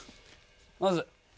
まず。